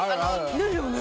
ですよね。